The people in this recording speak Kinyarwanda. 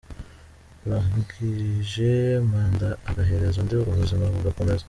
Urangihje manda agahereza undi ubuzima bugakomeza.